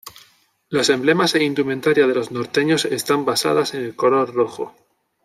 Los emblemas e indumentaria de los Norteños están basadas en el color rojo.